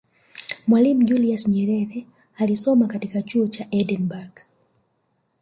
mwalimu julius nyerere alisoma katika chuo cha edinburgh